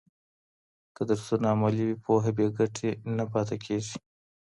که درسونه عملي وي، پوهه بې ګټې نه پاته کېږي.